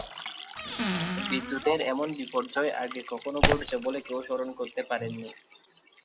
বিদ্যুতের এমন বিপর্যয় আগে কখনো ঘটেছে বলে কেউ স্মরণ করতে পারেননি।